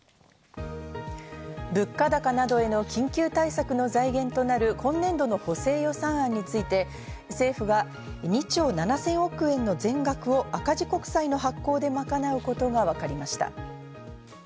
物価高などへの緊急対策の財源となる今年度の補正予算案について、政府が２兆７０００億円の全額を赤字国債の発行で賄うことがわかりました。